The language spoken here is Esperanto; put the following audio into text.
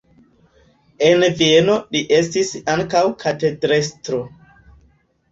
En Vieno li estis ankaŭ katedrestro.